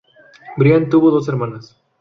Brian tuvo dos hermanas:.